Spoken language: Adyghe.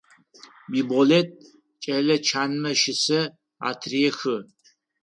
Биболэт кӏэлэ чанмэ щысэ атырехы.